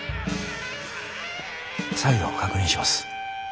再度確認します。